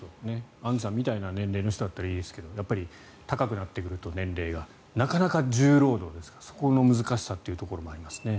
アンジュさんみたいな年齢の人だったらいいですけど年齢が高くなってくるとなかなか重労働ですからそこの難しさもありますね。